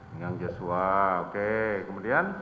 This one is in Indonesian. pinggang yosua oke kemudian